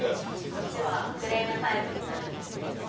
こっちはフレームタイプになるんですけれども。